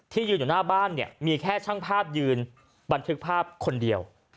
ยืนอยู่หน้าบ้านเนี่ยมีแค่ช่างภาพยืนบันทึกภาพคนเดียว